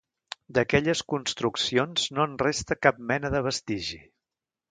D'aquelles construccions no en resta cap mena de vestigi.